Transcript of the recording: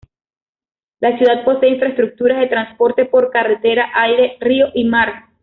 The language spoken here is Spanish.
La ciudad posee infraestructuras de transporte por carretera, aire, río y mar.